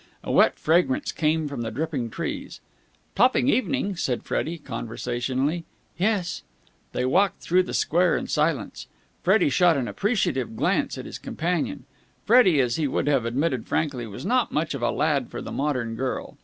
A wet fragrance came from the dripping trees. "Topping evening!" said Freddie conversationally. "Yes." They walked through the square in silence. Freddie shot an appreciative glance at his companion. Freddie, as he would have admitted frankly, was not much of a lad for the modern girl.